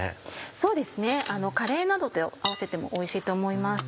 そうですねカレーなどと合わせてもおいしいと思います。